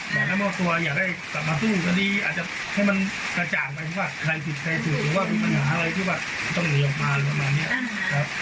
หรือว่าเป็นปัญหาอะไรที่แบบต้องหนีออกมาหรือประมาณนี้ครับ